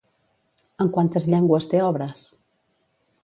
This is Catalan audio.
En quantes llengües té obres?